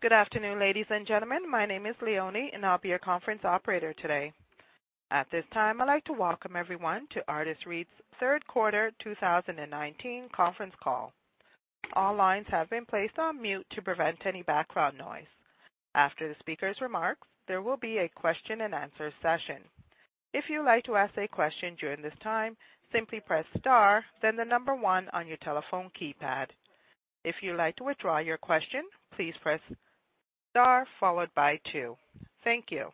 Good afternoon, ladies and gentlemen. My name is Leonie, and I'll be your conference operator today. At this time, I'd like to welcome everyone to Artis REIT's third quarter 2019 conference call. All lines have been placed on mute to prevent any background noise. After the speaker's remarks, there will be a question and answer session. If you would like to ask a question during this time, simply press star then the number one on your telephone keypad. If you'd like to withdraw your question, please press star followed by two. Thank you.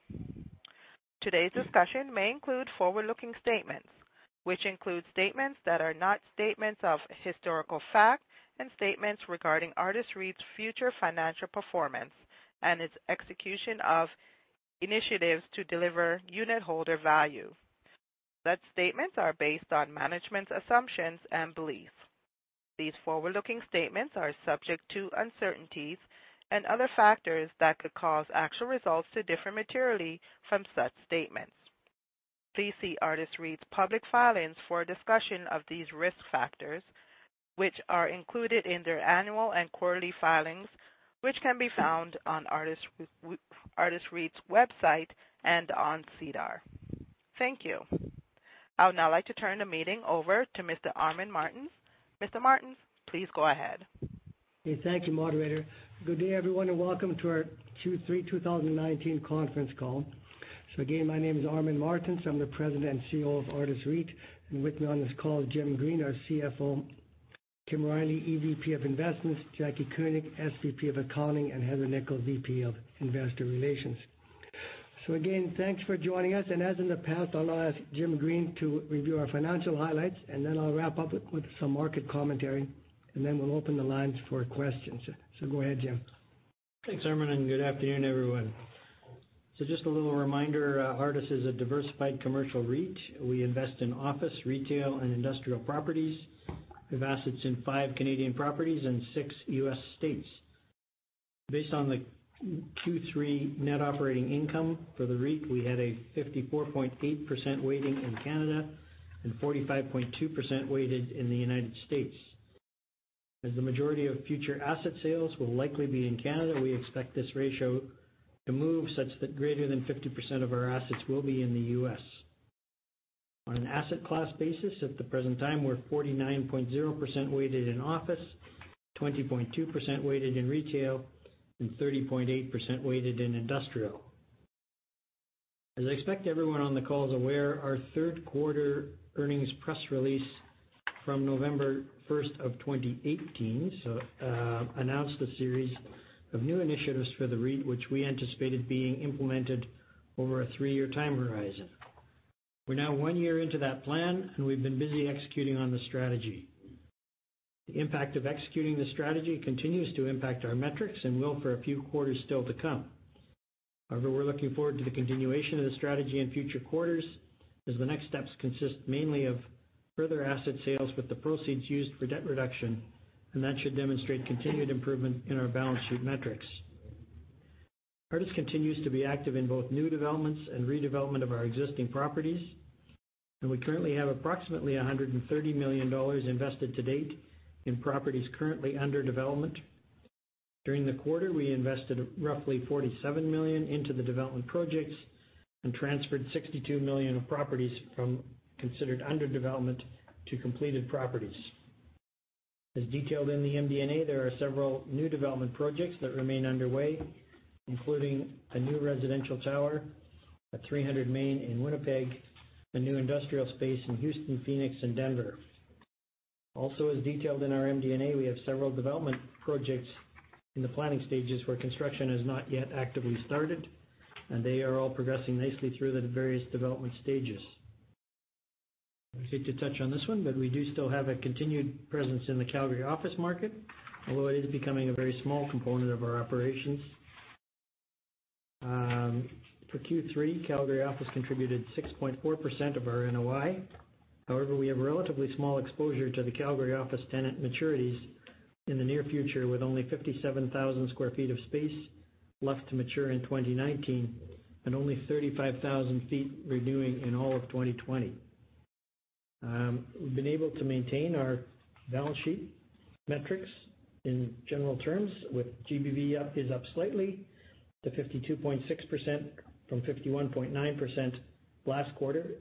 Today's discussion may include forward-looking statements, which include statements that are not statements of historical fact and statements regarding Artis REIT's future financial performance and its execution of initiatives to deliver unitholder value. Such statements are based on management's assumptions and beliefs. These forward-looking statements are subject to uncertainties and other factors that could cause actual results to differ materially from such statements. Please see Artis REIT's public filings for a discussion of these risk factors, which are included in their annual and quarterly filings, which can be found on Artis REIT's website and on SEDAR. Thank you. I would now like to turn the meeting over to Mr. Armin Martens. Mr. Martens, please go ahead. Thank you, moderator. Good day, everyone, and welcome to our Q3 2019 conference call. My name is Armin Martens. I'm the President and CEO of Artis REIT. With me on this call is James Green, our CFO, Kim Riley, EVP of Investments, Jaclyn Koenig, SVP of Accounting, and Heather Nikkel, VP of Investor Relations. Thanks for joining us. As in the past, I'll now ask James Green to review our financial highlights, I'll wrap up with some market commentary, we'll open the lines for questions. Go ahead, Jim. Thanks, Armin, good afternoon, everyone. Just a little reminder, Artis is a diversified commercial REIT. We invest in office, retail, and industrial properties. We have assets in five Canadian properties and six U.S. states. Based on the Q3 net operating income for the REIT, we had a 54.8% weighting in Canada and 45.2% weighted in the United States. As the majority of future asset sales will likely be in Canada, we expect this ratio to move such that greater than 50% of our assets will be in the U.S. On an asset class basis, at the present time, we're 49.0% weighted in office, 20.2% weighted in retail, and 30.8% weighted in industrial. As I expect everyone on the call is aware, our third quarter earnings press release from November 1st of 2018 announced a series of new initiatives for the REIT, which we anticipated being implemented over a three-year time horizon. We're now one year into that plan, and we've been busy executing on the strategy. The impact of executing the strategy continues to impact our metrics and will for a few quarters still to come. However, we're looking forward to the continuation of the strategy in future quarters as the next steps consist mainly of further asset sales with the proceeds used for debt reduction, and that should demonstrate continued improvement in our balance sheet metrics. Artis continues to be active in both new developments and redevelopment of our existing properties, and we currently have approximately 130 million dollars invested to date in properties currently under development. During the quarter, we invested roughly 47 million into the development projects and transferred 62 million of properties from considered under development to completed properties. As detailed in the MD&A, there are several new development projects that remain underway, including a new residential tower at 300 Main in Winnipeg, a new industrial space in Houston, Phoenix, and Denver. Also, as detailed in our MD&A, we have several development projects in the planning stages where construction has not yet actively started, and they are all progressing nicely through the various development stages. I was going to touch on this one, but we do still have a continued presence in the Calgary office market, although it is becoming a very small component of our operations. For Q3, Calgary office contributed 6.4% of our NOI. However, we have relatively small exposure to the Calgary office tenant maturities in the near future, with only 57,000 square feet of space left to mature in 2019 and only 35,000 feet renewing in all of 2020. We've been able to maintain our balance sheet metrics in general terms with GBV is up slightly to 52.6% from 51.9% last quarter.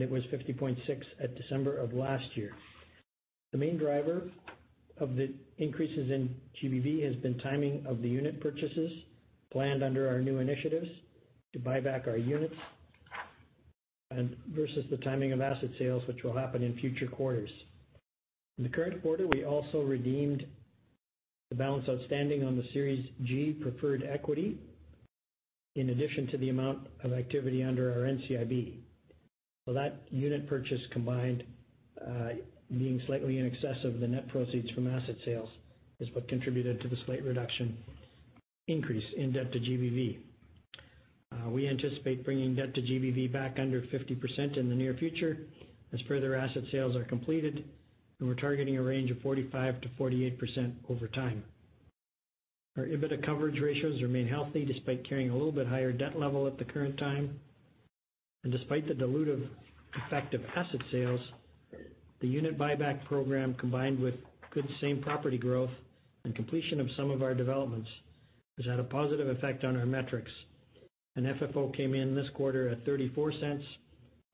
It was 50.6 at December of last year. The main driver of the increases in GBV has been timing of the unit purchases planned under our new initiatives to buy back our units versus the timing of asset sales, which will happen in future quarters. In the current quarter, we also redeemed the balance outstanding on the Series G preferred equity in addition to the amount of activity under our NCIB. That unit purchase combined, being slightly in excess of the net proceeds from asset sales, is what contributed to the slight increase in debt to GBV. We anticipate bringing debt to GBV back under 50% in the near future as further asset sales are completed. We're targeting a range of 45%-48% over time. Our EBITDA coverage ratios remain healthy despite carrying a little bit higher debt level at the current time. Despite the dilutive effect of asset sales, the unit buyback program combined with good same-property growth and completion of some of our developments, has had a positive effect on our metrics. FFO came in this quarter at 0.34,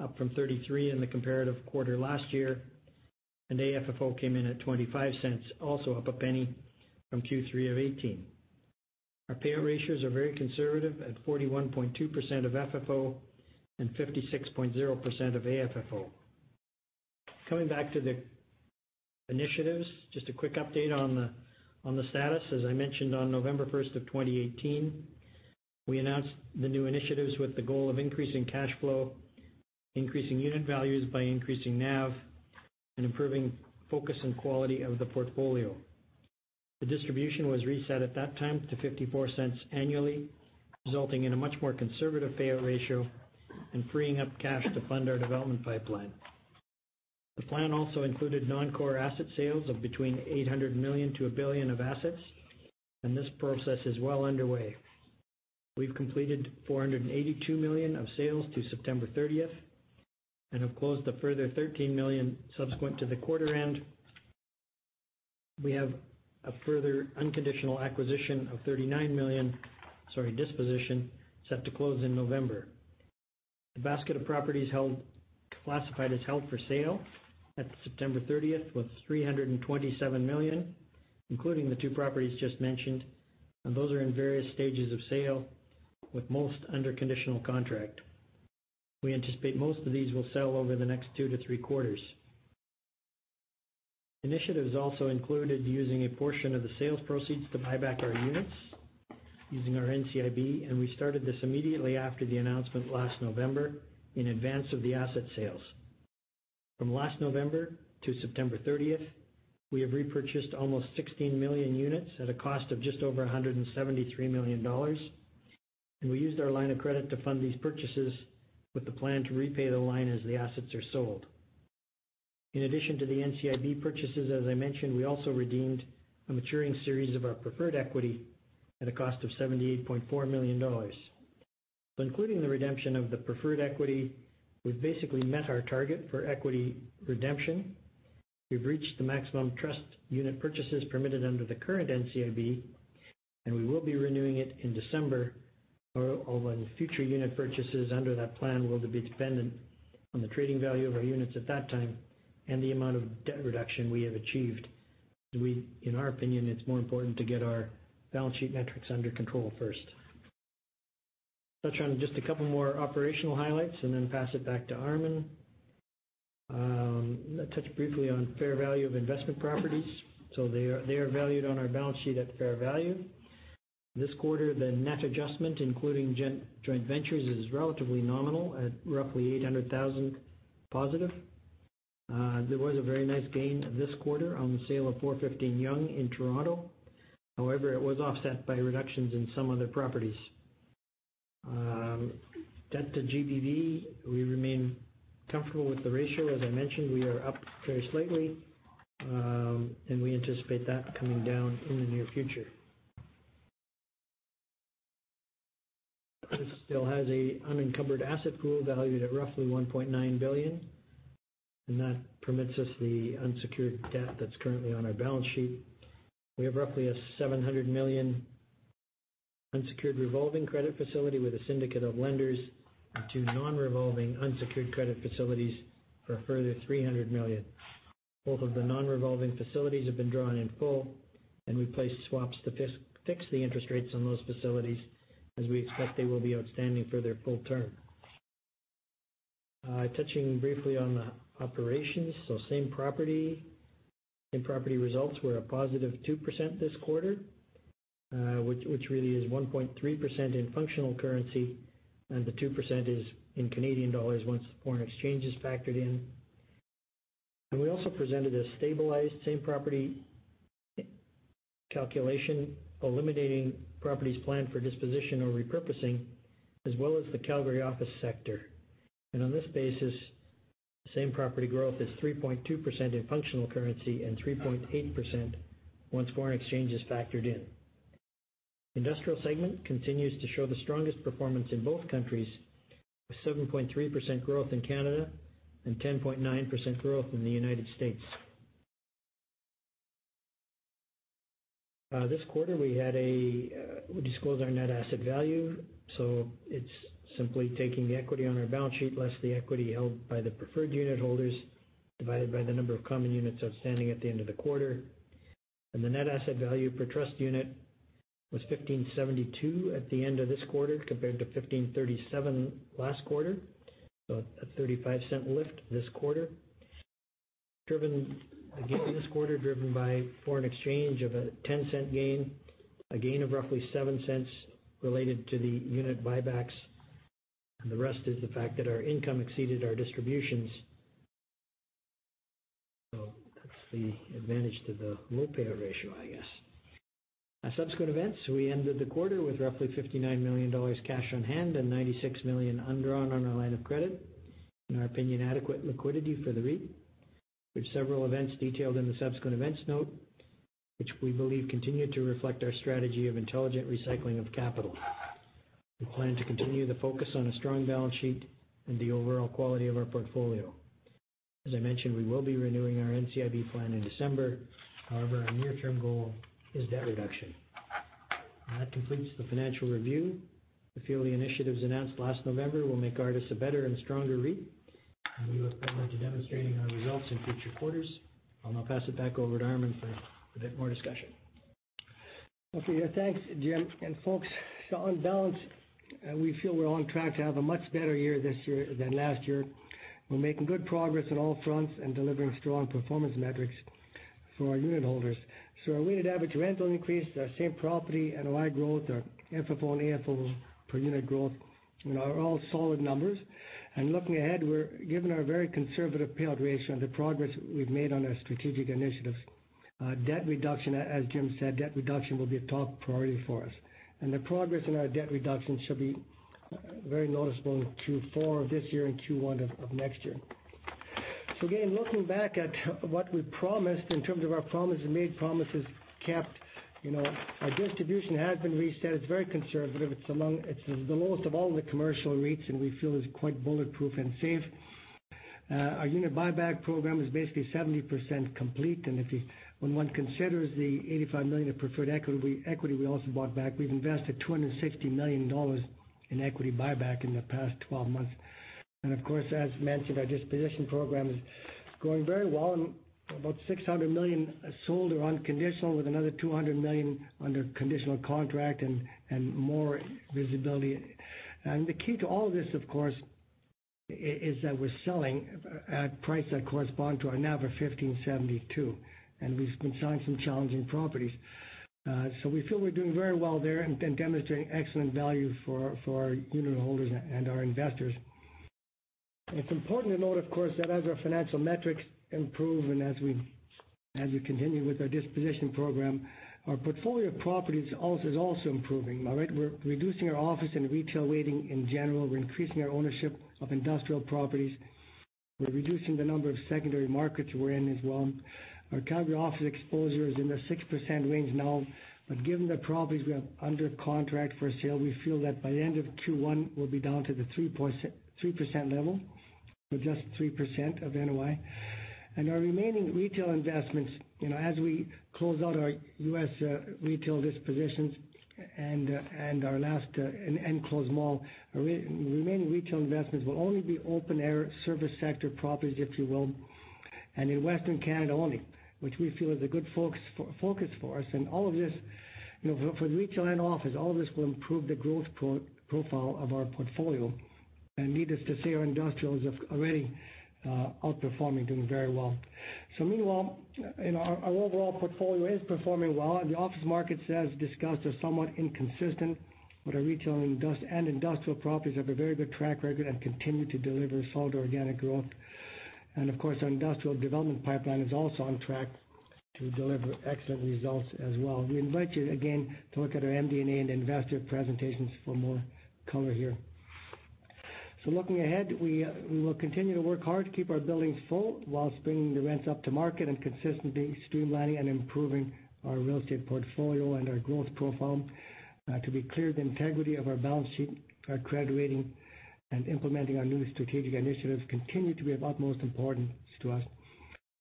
up from 0.33 in the comparative quarter last year. AFFO came in at 0.25, also up CAD 0.01 from Q3 of 2018. Our payout ratios are very conservative at 41.2% of FFO and 56.0% of AFFO. Coming back to the initiatives, just a quick update on the status. As I mentioned, on November 1st of 2018, we announced the new initiatives with the goal of increasing cash flow, increasing unit values by increasing NAV, and improving focus and quality of the portfolio. The distribution was reset at that time to 0.54 annually, resulting in a much more conservative payout ratio and freeing up cash to fund our development pipeline. The plan also included non-core asset sales of between 800 million to 1 billion of assets, and this process is well underway. We've completed 482 million of sales through September 30th and have closed a further 13 million subsequent to the quarter end. We have a further unconditional acquisition of 39 million, sorry, disposition, set to close in November. The basket of properties classified as held for sale at September 30th was 327 million, including the 2 properties just mentioned, and those are in various stages of sale with most under conditional contract. We anticipate most of these will sell over the next 2 to 3 quarters. Initiatives also included using a portion of the sales proceeds to buy back our units using our NCIB, and we started this immediately after the announcement last November in advance of the asset sales. From last November to September 30th, we have repurchased almost 16 million units at a cost of just over 173 million dollars. We used our line of credit to fund these purchases with the plan to repay the line as the assets are sold. In addition to the NCIB purchases, as I mentioned, we also redeemed a maturing series of our preferred equity at a cost of 78.4 million dollars. Including the redemption of the preferred equity, we've basically met our target for equity redemption. We've reached the maximum trust unit purchases permitted under the current NCIB, and we will be renewing it in December, although future unit purchases under that plan will be dependent on the trading value of our units at that time and the amount of debt reduction we have achieved. In our opinion, it's more important to get our balance sheet metrics under control first. Touch on just a couple more operational highlights and then pass it back to Armin. Touch briefly on fair value of investment properties. They are valued on our balance sheet at fair value. This quarter, the net adjustment, including joint ventures, is relatively nominal at roughly 800,000 positive. There was a very nice gain this quarter on the sale of 415 Yonge in Toronto. However, it was offset by reductions in some other properties. Debt-to-GBV, we remain comfortable with the ratio. As I mentioned, we are up very slightly. We anticipate that coming down in the near future. Trust still has an unencumbered asset pool valued at roughly 1.9 billion, and that permits us the unsecured debt that's currently on our balance sheet. We have roughly a 700 million unsecured revolving credit facility with a syndicate of lenders and two non-revolving unsecured credit facilities for a further 300 million. Both of the non-revolving facilities have been drawn in full, and we've placed swaps to fix the interest rates on those facilities as we expect they will be outstanding for their full term. Touching briefly on the operations. Same property results were a positive 2% this quarter, which really is 1.3% in functional currency and the 2% is in Canadian dollars once the foreign exchange is factored in. We also presented a stabilized same-property calculation, eliminating properties planned for disposition or repurposing, as well as the Calgary office sector. On this basis, same-property growth is 3.2% in functional currency and 3.8% once foreign exchange is factored in. Industrial segment continues to show the strongest performance in both countries, with 7.3% growth in Canada and 10.9% growth in the United States. This quarter, we disclosed our net asset value, so it's simply taking the equity on our balance sheet less the equity held by the preferred unit holders, divided by the number of common units outstanding at the end of the quarter. The net asset value per trust unit was 15.72 at the end of this quarter compared to 15.37 last quarter. A 0.35 lift this quarter. A gain this quarter driven by foreign exchange of a 0.10 gain, a gain of roughly 0.07 related to the unit buybacks, and the rest is the fact that our income exceeded our distributions. That's the advantage to the low payout ratio, I guess. Subsequent events. We ended the quarter with roughly 59 million dollars cash on hand and 96 million undrawn on our line of credit. In our opinion, adequate liquidity for the REIT. We have several events detailed in the subsequent events note, which we believe continue to reflect our strategy of intelligent recycling of capital. We plan to continue the focus on a strong balance sheet and the overall quality of our portfolio. As I mentioned, we will be renewing our NCIB plan in December. However, our near-term goal is debt reduction. That completes the financial review. We feel the initiatives announced last November will make Artis a better and stronger REIT, and we look forward to demonstrating our results in future quarters. I'll now pass it back over to Armin for a bit more discussion. Thanks, Jim and folks. On balance, we feel we're on track to have a much better year this year than last year. We're making good progress on all fronts and delivering strong performance metrics for our unit holders. Our weighted average rental increase, our same property NOI growth, our FFO and AFFO per unit growth are all solid numbers. Looking ahead, given our very conservative payout ratio and the progress we've made on our strategic initiatives, as Jim said, debt reduction will be a top priority for us. The progress in our debt reduction should be very noticeable in Q4 of this year and Q1 of next year. Again, looking back at what we promised in terms of our promises made, promises kept. Our distribution has been reset. It's very conservative. It's the lowest of all the commercial REITs, and we feel is quite bulletproof and safe. Our unit buyback program is basically 70% complete. When one considers the 85 million of preferred equity we also bought back, we've invested 260 million dollars in equity buyback in the past 12 months. Of course, as mentioned, our disposition program is going very well and about 600 million sold or unconditional, with another 200 million under conditional contract and more visibility. The key to all this, of course, is that we're selling at price that correspond to our NAV of 15.72, and we've been selling some challenging properties. We feel we're doing very well there and demonstrating excellent value for our unitholders and our investors. It's important to note, of course, that as our financial metrics improve and as we continue with our disposition program, our portfolio of properties is also improving. We're reducing our office and retail weighting in general. We're increasing our ownership of industrial properties. We're reducing the number of secondary markets we're in as well. Our Calgary office exposure is in the 6% range now, but given the properties we have under contract for sale, we feel that by the end of Q1, we'll be down to the 3% level, or just 3% of NOI. Our remaining retail investments, as we close out our U.S. retail dispositions and our last enclosed mall, remaining retail investments will only be open-air service sector properties, if you will, and in Western Canada only, which we feel is a good focus for us. All of this, for retail and office, all this will improve the growth profile of our portfolio. Needless to say, our industrial is already outperforming, doing very well. Meanwhile, our overall portfolio is performing well. The office markets, as discussed, are somewhat inconsistent. Our retail and industrial properties have a very good track record and continue to deliver solid organic growth. Of course, our industrial development pipeline is also on track to deliver excellent results as well. We invite you again to look at our MD&A and investor presentations for more color here. Looking ahead, we will continue to work hard to keep our buildings full whilst bringing the rents up to market and consistently streamlining and improving our real estate portfolio and our growth profile. To be clear, the integrity of our balance sheet, our credit rating, and implementing our new strategic initiatives continue to be of utmost importance to us.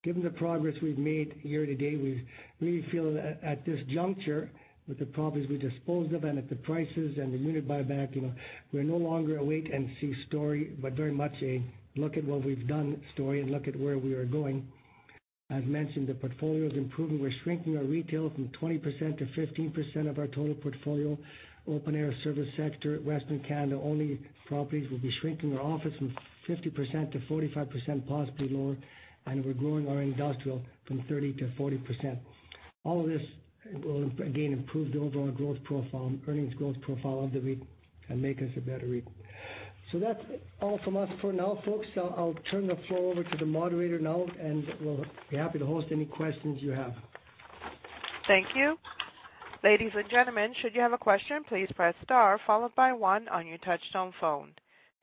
Given the progress we've made year to date, we really feel at this juncture with the properties we disposed of and at the prices and the unit buyback, we're no longer a wait-and-see story, but very much a look at what we've done story and look at where we are going. As mentioned, the portfolio is improving. We're shrinking our retail from 20%-15% of our total portfolio. Open-air service sector, Western Canada only properties. We'll be shrinking our office from 50%-45%, possibly lower. We're growing our industrial from 30%-40%. All of this will again improve the overall growth profile, earnings growth profile of the REIT and make us a better REIT. That's all from us for now, folks. I'll turn the floor over to the moderator now, and we'll be happy to host any questions you have. Thank you. Ladies and gentlemen, should you have a question, please press star followed by one on your touchtone phone.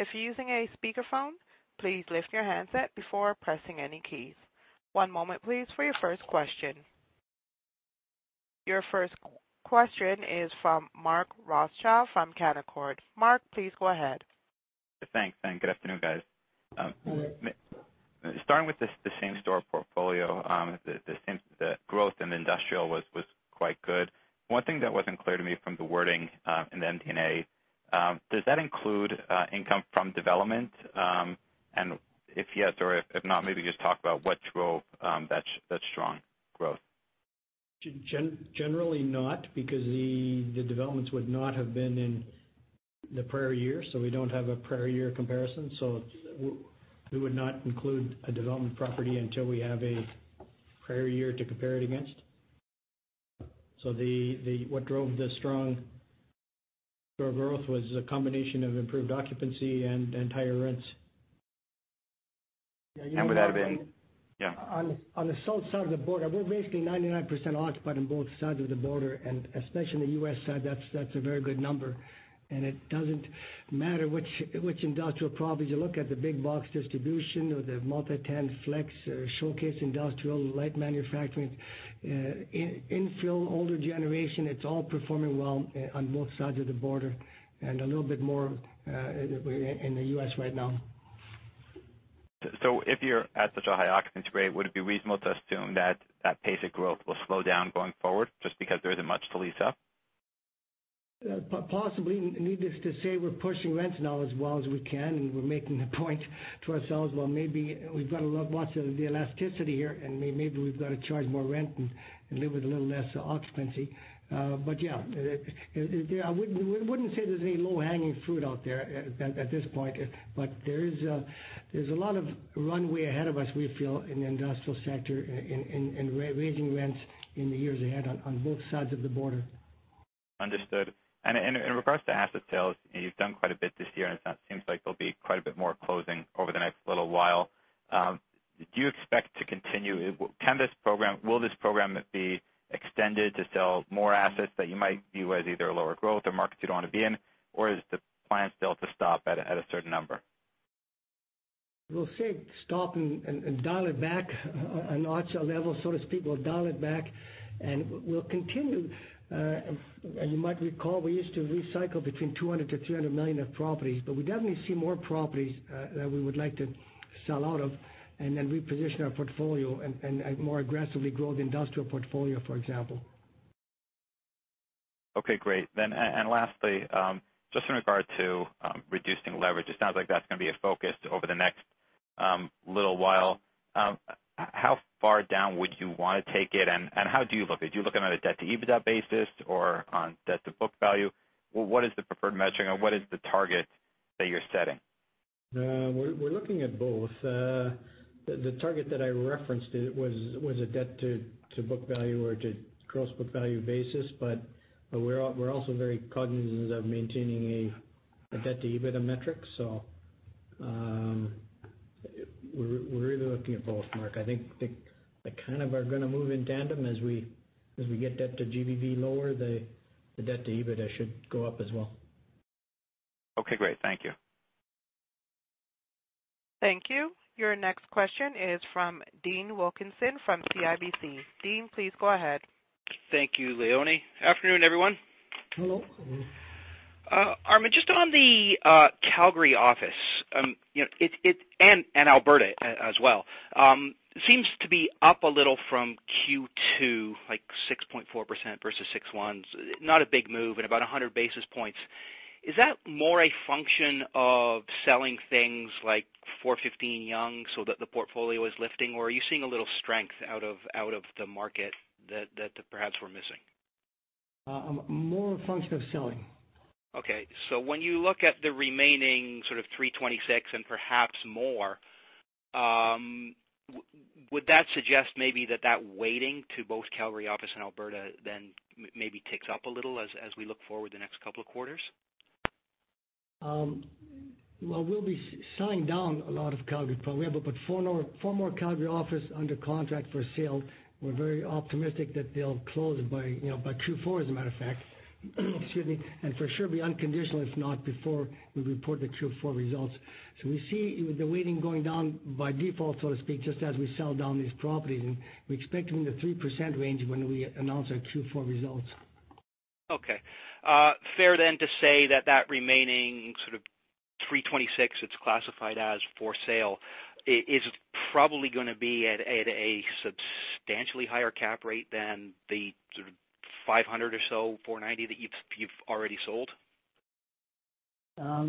If you're using a speakerphone, please lift your handset before pressing any keys. One moment please for your first question. Your first question is from Mark Rothschild from Canaccord. Mark, please go ahead. Thanks, good afternoon, guys. Good afternoon. Starting with the same-store portfolio, the growth in industrial was quite good. One thing that wasn't clear to me from the wording in the MD&A, does that include income from development? If yes or if not, maybe just talk about what drove that strong growth? Generally not, because the developments would not have been in the prior year. We don't have a prior year comparison. We would not include a development property until we have a prior year to compare it against. What drove the strong store growth was a combination of improved occupancy and higher rents. Would that have been Yeah. On the south side of the border, we're basically 99% occupied on both sides of the border, especially in the U.S. side, that's a very good number. It doesn't matter which industrial properties you look at, the big box distribution or the multi-tenant flex or showcase industrial, light manufacturing, infill, older generation, it's all performing well on both sides of the border and a little bit more in the U.S. right now. If you're at such a high occupancy rate, would it be reasonable to assume that that pace of growth will slow down going forward just because there isn't much to lease up? Possibly. Needless to say, we're pushing rents now as well as we can, and we're making a point to ourselves, well, maybe we've got a lot of the elasticity here, and maybe we've got to charge more rent and live with a little less occupancy. Yeah. I wouldn't say there's any low-hanging fruit out there at this point, but there's a lot of runway ahead of us, we feel, in the industrial sector in raising rents in the years ahead on both sides of the border. Understood. In regards to asset sales, you've done quite a bit this year, and it seems like there'll be quite a bit more closing over the next little while. Do you expect to continue? Will this program be extended to sell more assets that you might view as either lower growth or markets you don't want to be in? Is the plan still to stop at a certain number? We'll say stop and dial it back a notch or level, so to speak. We'll dial it back and we'll continue. As you might recall, we used to recycle between 200 million-300 million of properties, but we definitely see more properties that we would like to sell out of and then reposition our portfolio and more aggressively grow the industrial portfolio, for example. Okay, great. Lastly, just in regard to reducing leverage, it sounds like that's going to be a focus over the next little while. How far down would you want to take it, and how do you look at it? Do you look at it on a debt-to-EBITDA basis or on debt-to-book value? What is the preferred measuring, and what is the target that you're setting? We're looking at both. The target that I referenced was a debt-to-book value or to Gross Book Value basis, but we're also very cognizant of maintaining a debt-to-EBITDA metric. We're really looking at both, Mark. I think they kind of are going to move in tandem as we get debt to GBV lower, the debt-to-EBITDA should go up as well. Okay, great. Thank you. Thank you. Your next question is from Dean Wilkinson from CIBC. Dean, please go ahead. Thank you, Leonie. Afternoon, everyone. Hello. Armin, just on the Calgary office, and Alberta as well. Seems to be up a little from Q2, like 6.4% versus 6.1%. Not a big move and about 100 basis points. Is that more a function of selling things like 415 Yonge so that the portfolio is lifting, or are you seeing a little strength out of the market that perhaps we're missing? More a function of selling. When you look at the remaining sort of 326 and perhaps more, would that suggest maybe that that weighting to both Calgary office and Alberta then maybe ticks up a little as we look forward the next couple of quarters? We'll be signing down a lot of Calgary probably. We have 4 more Calgary office under contract for sale. We're very optimistic that they'll close by Q4, as a matter of fact. Excuse me. For sure, be unconditional, if not before we report the Q4 results. We see the weighting going down by default, so to speak, just as we sell down these properties. We expect in the 3% range when we announce our Q4 results. Fair to say that remaining sort of 326 it's classified as for sale is probably going to be at a substantially higher cap rate than the sort of 500 or so, 490 that you've already sold? Kim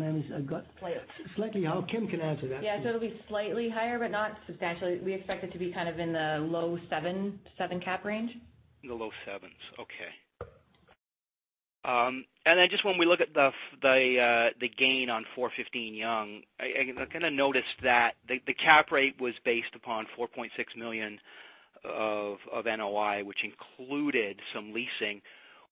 can answer that. Yeah. It'll be slightly higher, but not substantially. We expect it to be kind of in the low seven cap range. The low sevens. Okay. Just when we look at the gain on 415 Yonge, I kind of noticed that the cap rate was based upon 4.6 million of NOI, which included some leasing.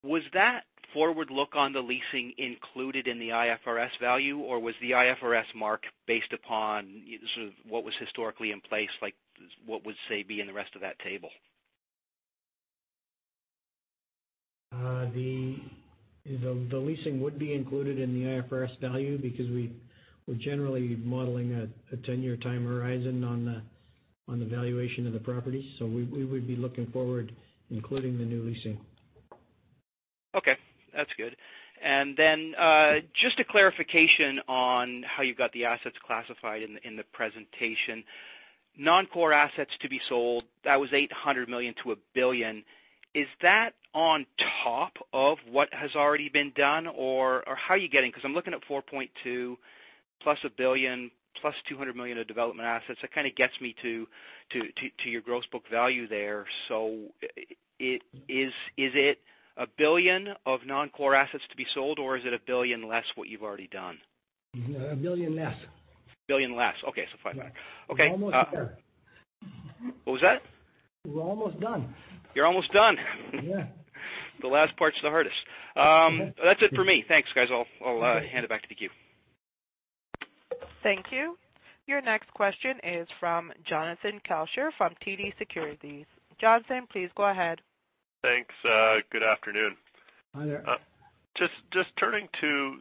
Was that forward look on the leasing included in the IFRS value, or was the IFRS mark based upon sort of what was historically in place, like what would, say, be in the rest of that table? The leasing would be included in the IFRS value because we're generally modeling a 10-year time horizon on the valuation of the property. We would be looking forward, including the new leasing. Okay, that's good. Just a clarification on how you got the assets classified in the presentation. Non-core assets to be sold, that was 800 million to 1 billion. Is that on top of what has already been done? How are you getting? Because I'm looking at 4.2 plus 1 billion plus 200 million of development assets. That kind of gets me to your Gross Book Value there. Is it 1 billion of non-core assets to be sold, or is it 1 billion less what you've already done? 1 billion less. 1 billion less. Okay, 500. Yeah. Okay. Almost there. What was that? We're almost done. You're almost done. Yeah. The last part's the hardest. That's it for me. Thanks, guys. I'll hand it back to the queue. Thank you. Your next question is from Jonathan Kelcher from TD Securities. Jonathan, please go ahead. Thanks. Good afternoon. Hi there. Just turning to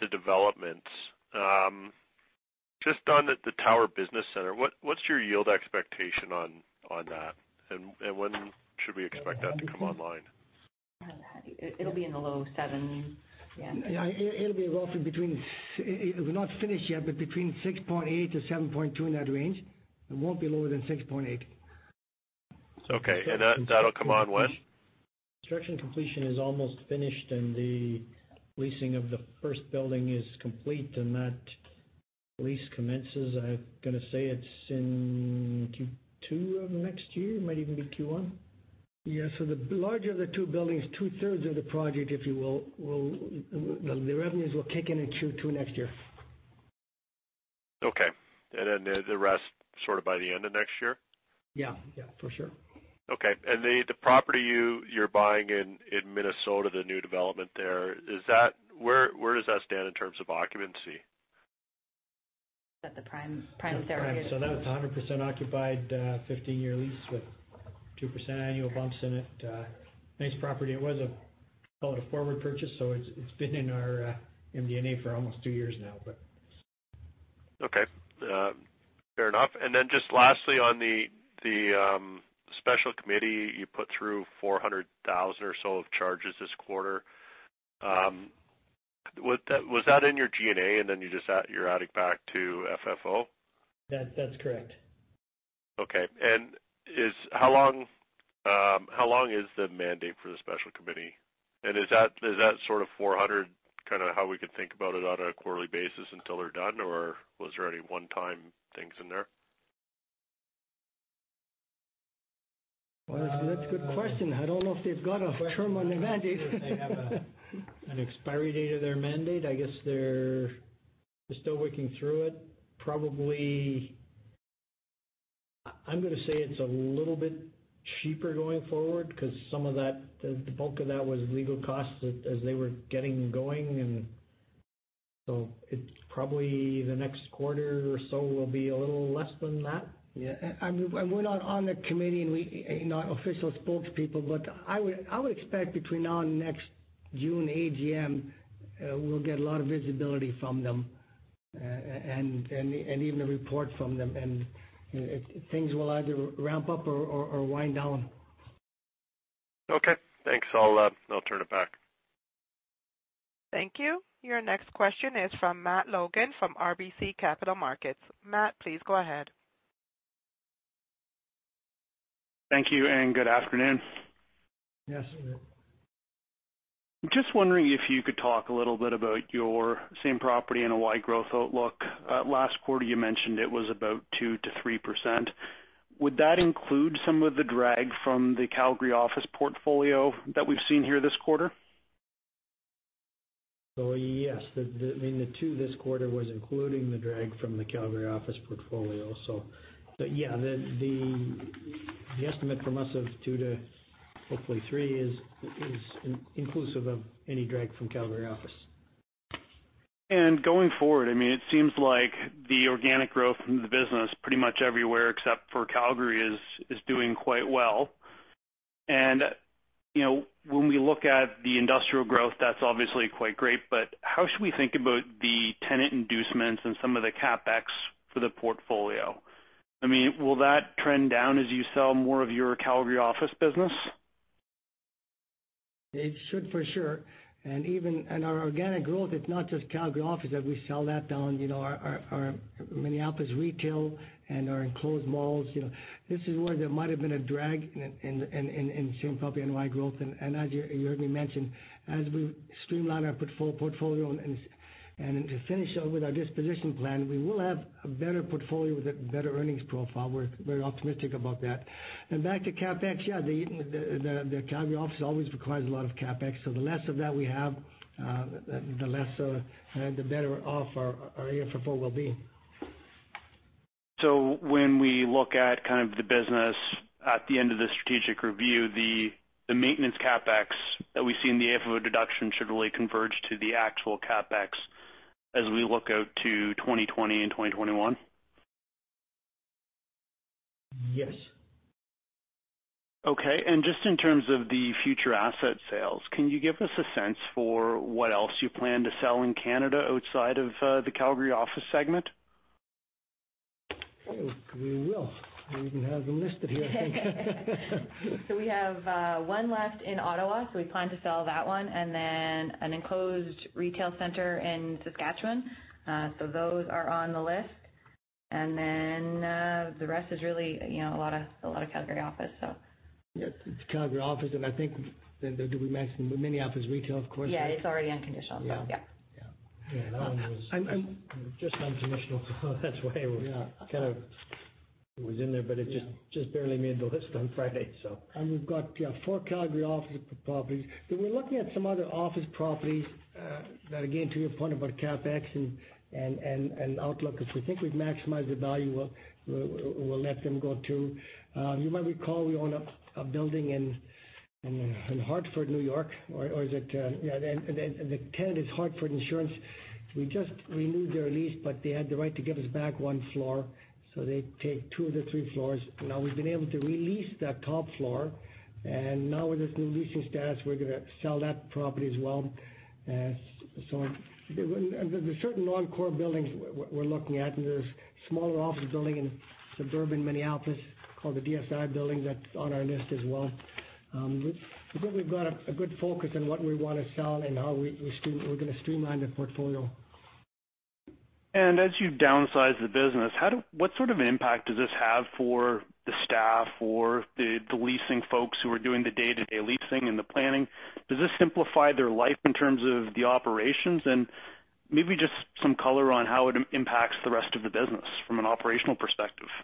the developments. Just on the Tower Business Center, what's your yield expectation on that, and when should we expect that to come online? It'll be in the low seven. Yeah. Yeah. It'll be roughly between We're not finished yet, but between 6.8 to 7.2 in that range. It won't be lower than 6.8. Okay. That'll come on when? Construction completion is almost finished, and the leasing of the first building is complete, and that lease commences, I'm going to say it's in Q2 of next year. It might even be Q1. Yeah. The larger of the two buildings, two-thirds of the project, if you will, the revenues will kick in in Q2 next year. Okay. Then the rest sort of by the end of next year? Yeah, for sure. Okay. The property you're buying in Minnesota, the new development there, where does that stand in terms of occupancy? Is that the Primrose? That was 100% occupied, 15-year lease with 2% annual bumps in it. Nice property. It was called a forward purchase, it's been in our MD&A for almost two years now. Okay. Fair enough. Lastly, on the special committee, you put through 400,000 or so of charges this quarter. Was that in your G&A and then you're adding back to FFO? That's correct. Okay. How long is the mandate for the special committee? Is that sort of 400 kind of how we could think about it on a quarterly basis until they're done, or was there any one-time things in there? Well, that's a good question. I don't know if they've got a term on the mandate. They have an expiry date of their mandate. I guess they're still working through it. Probably, I'm going to say it's a little bit cheaper going forward because the bulk of that was legal costs as they were getting going, probably the next quarter or so will be a little less than that. Yeah. We're not on the committee, and we are not official spokespeople, but I would expect between now and next June AGM, we'll get a lot of visibility from them, and even a report from them. Things will either ramp up or wind down. Okay. Thanks. I'll turn it back. Thank you. Your next question is from Matt Logan from RBC Capital Markets. Matt, please go ahead. Thank you, and good afternoon. Yes. Just wondering if you could talk a little bit about your same property NOI growth outlook? Last quarter, you mentioned it was about 2%-3%. Would that include some of the drag from the Calgary office portfolio that we've seen here this quarter? Yes. I mean, the two this quarter was including the drag from the Calgary office portfolio. Yeah, the estimate from us of two to hopefully three is inclusive of any drag from Calgary office. Going forward, it seems like the organic growth from the business pretty much everywhere except for Calgary is doing quite well. When we look at the industrial growth, that's obviously quite great, but how should we think about the tenant inducements and some of the CapEx for the portfolio? I mean, will that trend down as you sell more of your Calgary office business? It should, for sure. Our organic growth, it's not just Calgary office. As we sell that down, our Minneapolis retail and our enclosed malls. This is where there might've been a drag in same property NOI growth. As you heard me mention, as we streamline our portfolio and to finish up with our disposition plan, we will have a better portfolio with a better earnings profile. We're optimistic about that. Back to CapEx, yeah, the Calgary office always requires a lot of CapEx. The less of that we have, the better off our AFFO will be. When we look at kind of the business at the end of the strategic review, the maintenance CapEx that we see in the AFFO deduction should really converge to the actual CapEx as we look out to 2020 and 2021? Yes. Okay. Just in terms of the future asset sales, can you give us a sense for what else you plan to sell in Canada outside of the Calgary office segment? We will. We even have them listed here, I think. We have one left in Ottawa, we plan to sell that one, an enclosed retail center in Saskatchewan. Those are on the list. The rest is really a lot of Calgary office. Yeah. It's Calgary office, and I think, did we mention Minneapolis retail, of course? Yeah, it's already unconditional. Yeah. Yeah. I'm- Just unconventional. That's why. Yeah kind of was in there, but it just- Yeah just barely made the list on Friday. We've got four Calgary office properties. We're looking at some other office properties, that again, to your point about CapEx and outlook, if we think we've maximized the value, we'll let them go too. You might recall we own a building in Hartford, Connecticut. The tenant is The Hartford. We just renewed their lease, but they had the right to give us back one floor, so they take two of the three floors. We've been able to re-lease that top floor, with this new leasing status, we're going to sell that property as well. There's certain non-core buildings we're looking at. There's a smaller office building in suburban Minneapolis called the DSI Building that's on our list as well. I think we've got a good focus on what we want to sell and how we're going to streamline the portfolio. As you downsize the business, what sort of impact does this have for the staff or the leasing folks who are doing the day-to-day leasing and the planning? Does this simplify their life in terms of the operations? Maybe just some color on how it impacts the rest of the business from an operational perspective. Yeah,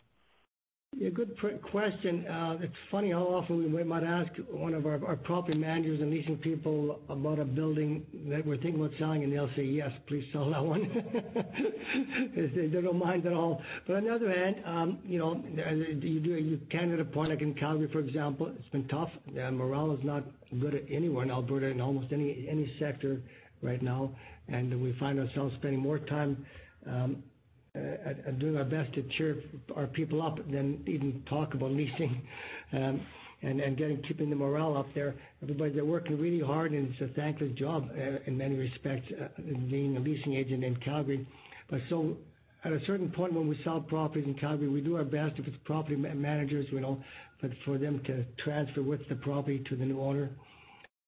good question. It's funny how often we might ask one of our property managers and leasing people about a building that we're thinking about selling, and they'll say, "Yes, please sell that one." They don't mind at all. On the other hand, Canada Point in Calgary, for example, it's been tough. Morale is not good anywhere in Alberta, in almost any sector right now. We find ourselves spending more time doing our best to cheer our people up than even talk about leasing. Keeping the morale up there. Everybody's there working really hard, and it's a thankless job in many respects, being a leasing agent in Calgary. At a certain point when we sell properties in Calgary, we do our best if it's property managers, but for them to transfer with the property to the new owner.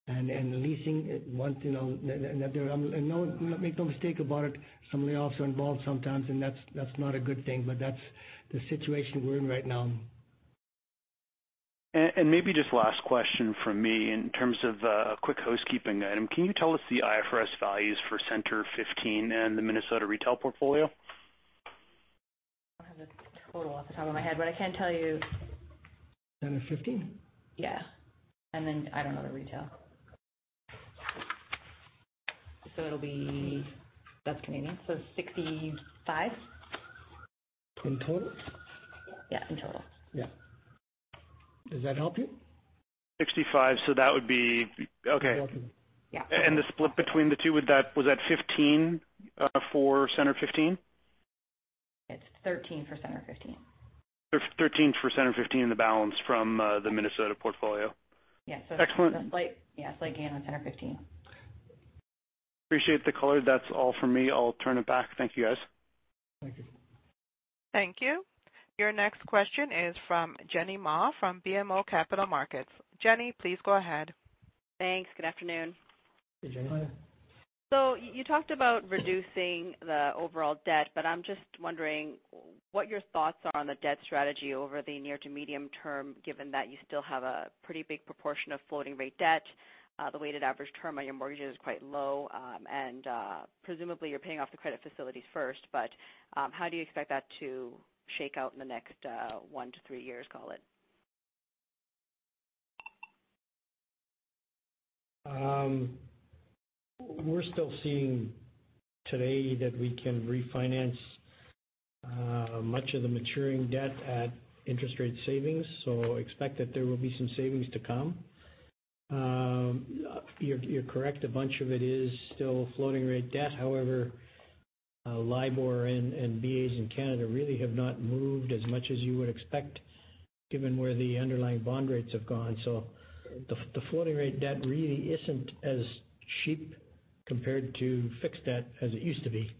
The leasing, make no mistake about it, somebody's also involved sometimes, and that's not a good thing, but that's the situation we're in right now. Maybe just last question from me. In terms of a quick housekeeping item, can you tell us the IFRS values for Centre 15 and the Minnesota retail portfolio? I don't have the total off the top of my head, but I can tell you. Centre 15? Yeah. I don't know the retail. It'll be, that's Canadian, 65. In total? Yeah. In total. Yeah. Does that help you? That would be Okay. Welcome. Yeah. The split between the two, was that 15 for Centre 15? It's 13 for Centre 15. 13 for Centre 15, and the balance from the Minnesota portfolio. Yeah. Excellent. Slight gain on Centre 15. Appreciate the color. That's all from me. I'll turn it back. Thank you, guys. Thank you. Thank you. Your next question is from Jenny Ma from BMO Capital Markets. Jenny, please go ahead. Thanks. Good afternoon. Hey, Jenny. Hi. You talked about reducing the overall debt, but I'm just wondering what your thoughts are on the debt strategy over the near to medium term, given that you still have a pretty big proportion of floating rate debt. The weighted average term on your mortgages is quite low. Presumably you're paying off the credit facilities first, but how do you expect that to shake out in the next 1 to 3 years, call it? We're still seeing today that we can refinance much of the maturing debt at interest rate savings, expect that there will be some savings to come. You're correct, a bunch of it is still floating rate debt. LIBOR and BAs in Canada really have not moved as much as you would expect, given where the underlying bond rates have gone. The floating rate debt really isn't as cheap compared to fixed debt as it used to be.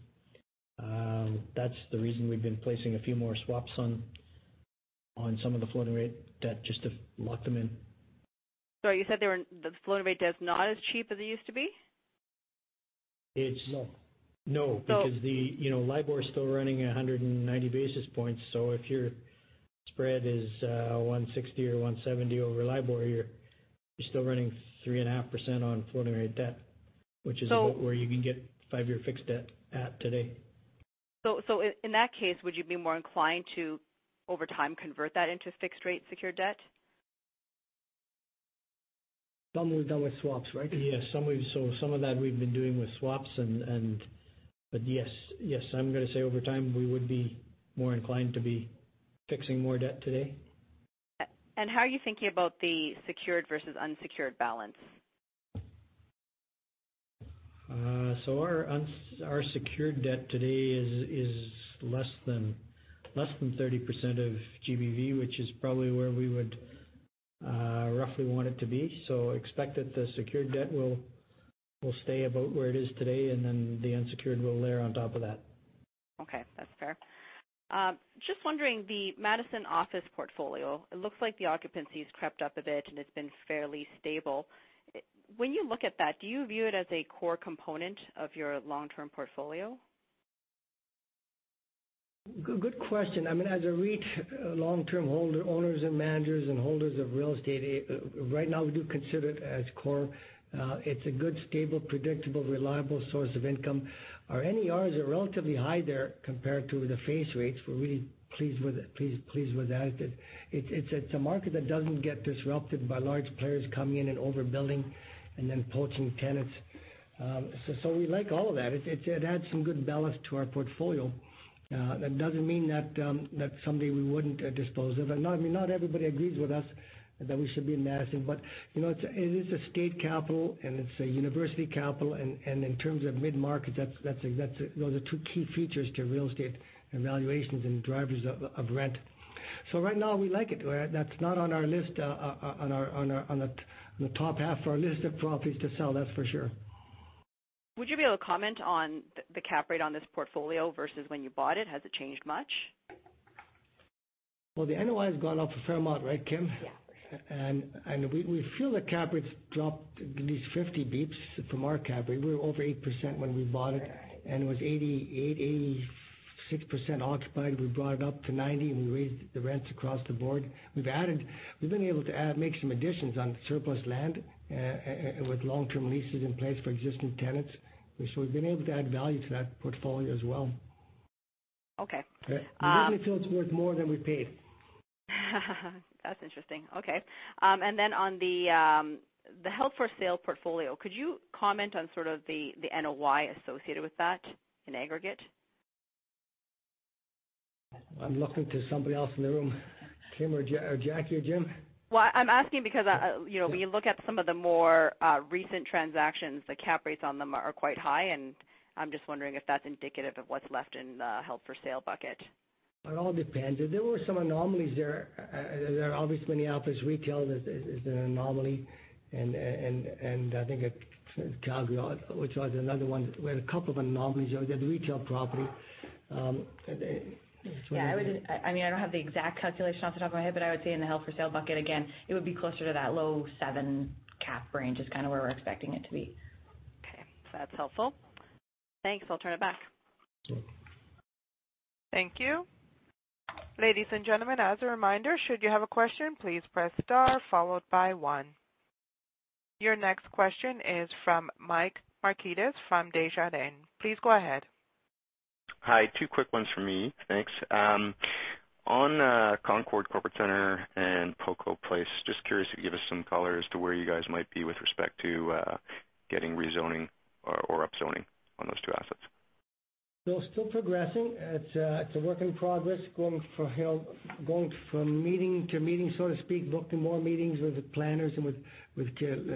That's the reason we've been placing a few more swaps on some of the floating rate debt, just to lock them in. Sorry, you said the floating rate debt is not as cheap as it used to be? It's- No. No. So- The LIBOR is still running 190 basis points. If your spread is 160 or 170 over LIBOR, you're still running 3.5% on floating rate debt. So- which is about where you can get five-year fixed debt at today. In that case, would you be more inclined to, over time, convert that into fixed rate secured debt? Some we've done with swaps, right? Yes. Some of that we've been doing with swaps. Yes. I'm going to say over time, we would be more inclined to be fixing more debt today. How are you thinking about the secured versus unsecured balance? Our secured debt today is less than 30% of GBV, which is probably where we would roughly want it to be. Expect that the secured debt will stay about where it is today, and then the unsecured will layer on top of that. Okay. That's fair. Just wondering, the Madison office portfolio, it looks like the occupancy's crept up a bit, and it's been fairly stable. When you look at that, do you view it as a core component of your long-term portfolio? Good question. As a REIT, long-term owners and managers and holders of real estate, right now, we do consider it as core. It's a good, stable, predictable, reliable source of income. Our NERs are relatively high there compared to the face rates. We're really pleased with that. It's a market that doesn't get disrupted by large players coming in and overbuilding and then poaching tenants. We like all of that. It adds some good ballast to our portfolio. That doesn't mean that someday we wouldn't dispose of it. Not everybody agrees with us that we should be in Madison, but it is a state capital, and it's a university capital. In terms of mid-market, those are two key features to real estate valuations and drivers of rent. Right now, we like it. That's not on the top half of our list of properties to sell, that's for sure. Would you be able to comment on the cap rate on this portfolio versus when you bought it? Has it changed much? Well, the NOI has gone up a fair amount, right, Kim? Yeah. We feel the cap rates dropped at least 50 basis points from our cap rate. We were over 8% when we bought it. Right. It was 86% occupied. We brought it up to 90, and we raised the rents across the board. We've been able to make some additions on surplus land, with long-term leases in place for existing tenants. We've been able to add value to that portfolio as well. Okay. We really feel it's worth more than we paid. That's interesting. Okay. On the held-for-sale portfolio, could you comment on sort of the NOI associated with that in aggregate? I'm looking to somebody else in the room. Kim or Jackie or Jim? Well, I'm asking because. Yeah When you look at some of the more recent transactions, the cap rates on them are quite high. I'm just wondering if that's indicative of what's left in the held-for-sale bucket. It all depends. There were some anomalies there. Obviously, in the office retail, there's an anomaly. I think Calgary, which was another one. We had a couple of anomalies there. We had the retail property. Yeah. I don't have the exact calculation off the top of my head, but I would say in the held-for-sale bucket, again, it would be closer to that low 7 cap range is kind of where we're expecting it to be. Okay. That's helpful. Thanks. I'll turn it back. Thank you. Ladies and gentlemen, as a reminder, should you have a question, please press star followed by one. Your next question is from Mike Markides from Desjardins. Please go ahead. Hi. Two quick ones from me, thanks. On Concorde Corporate Centre and Poco Place, just curious if you could give us some color as to where you guys might be with respect to getting rezoning or upzoning on those two assets. They're still progressing. It's a work in progress, going from meeting to meeting, so to speak, booking more meetings with the planners and with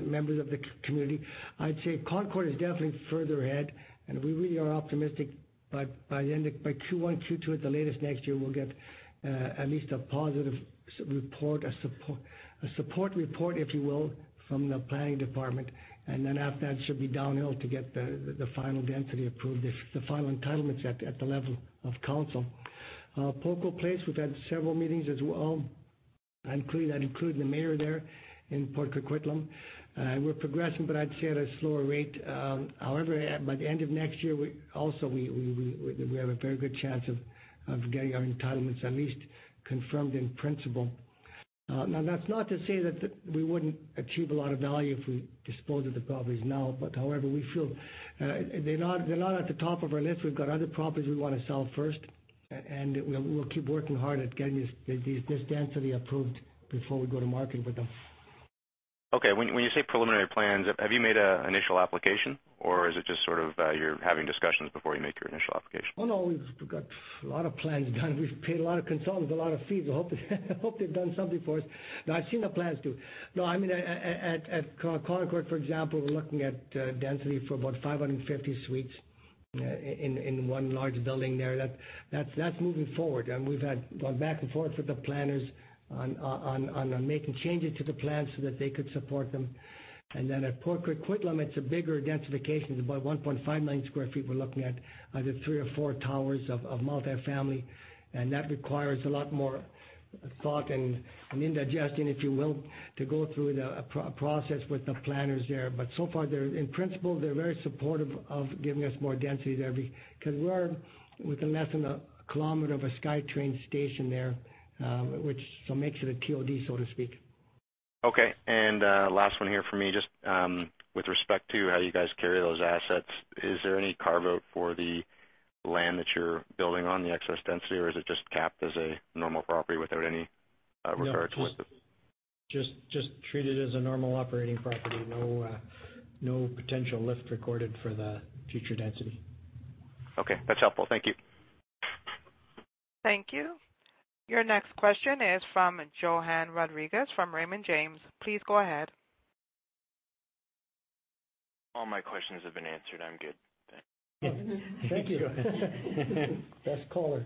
members of the community. I'd say Concorde is definitely further ahead, and we really are optimistic by Q1, Q2 at the latest next year, we'll get at least a positive report, a support report, if you will, from the planning department. After that, it should be downhill to get the final density approved, the final entitlements at the level of council. Poco Place, we've had several meetings as well, that include the mayor there in Port Coquitlam. We're progressing, I'd say at a slower rate. However, by the end of next year, also, we have a very good chance of getting our entitlements at least confirmed in principle. That's not to say that we wouldn't achieve a lot of value if we dispose of the properties now. However, we feel they're not at the top of our list. We've got other properties we want to sell first, and we'll keep working hard at getting this density approved before we go to market with them. Okay. When you say preliminary plans, have you made an initial application? Is it just sort of you're having discussions before you make your initial application? Oh, no. We've got a lot of plans done. We've paid a lot of consultants a lot of fees. I hope they've done something for us. I've seen the plans too. At Concord, for example, we're looking at density for about 550 suites in one large building there. That's moving forward. We've gone back and forth with the planners on making changes to the plans so that they could support them. At Port Coquitlam, it's a bigger densification. It's about 1.5 million sq ft. We're looking at either three or four towers of multi-family, and that requires a lot more thought and indigestion, if you will, to go through the process with the planners there. So far, in principle, they're very supportive of giving us more density there because we're within less than a kilometer of a SkyTrain station there, which makes it a TOD, so to speak. Okay. Last one here from me. Just with respect to how you guys carry those assets, is there any carve-out for the land that you're building on the excess density, or is it just capped as a normal property without any regard to what? No. Just treat it as a normal operating property. No potential lift recorded for the future density. Okay. That's helpful. Thank you. Thank you. Your next question is from Johan Rodriguez from Raymond James. Please go ahead. All my questions have been answered. I'm good. Thanks. Thank you. Best caller.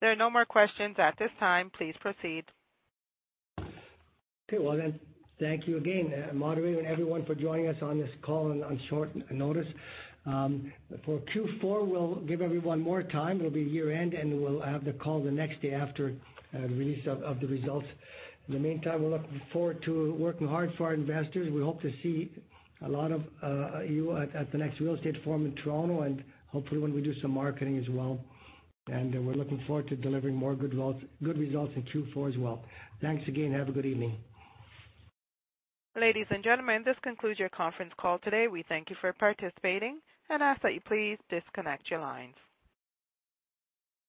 There are no more questions at this time. Please proceed. Well, thank you again, moderator, and everyone for joining us on this call on short notice. For Q4, we'll give everyone more time. It'll be year-end, and we'll have the call the next day after the release of the results. In the meantime, we're looking forward to working hard for our investors. We hope to see a lot of you at the next Real Estate Forum in Toronto, and hopefully when we do some marketing as well. We're looking forward to delivering more good results in Q4 as well. Thanks again. Have a good evening. Ladies and gentlemen, this concludes your conference call today. We thank you for participating and ask that you please disconnect your lines.